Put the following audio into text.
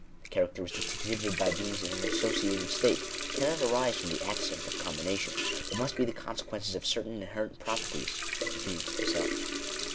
The characteristics exhibited by beings in an associated state cannot arise from the accident of combination, but must be the consequences of certain in herent properties of the beings themselves.